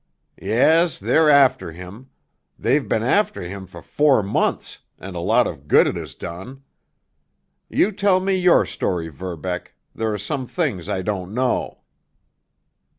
"Yes—they're after him. They've been after him for four months, and a lot of good it has done. You tell me your story, Verbeck; there are some things I don't know."